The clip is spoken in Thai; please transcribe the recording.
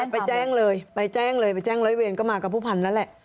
ไปแจ้งเลยไปแจ้งเลยไปแจ้งร้อยเวรก็มากับผู้พันธ์นั่นแหละ